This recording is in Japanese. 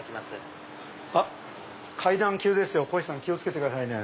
階段急ですよこひさん気を付けてくださいね。